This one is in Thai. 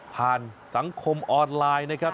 สังคมออนไลน์นะครับ